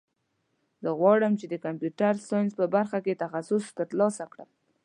زه غواړم چې د کمپیوټر ساینس په برخه کې تخصص ترلاسه کړم